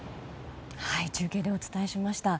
中継でお伝えしました。